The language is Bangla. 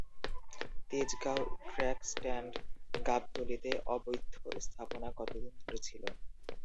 তেজগাও ট্রাক ষ্ট্যান্ড, গাবতলিতে অবৈধ্য স্থাপনা কতদিন ধরে ছিলো?